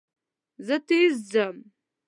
زه تېز ځم.